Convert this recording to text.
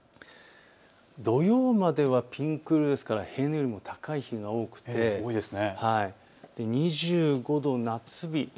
土曜まではピンク色ですから平年よりも高い日が多く２５度、夏日。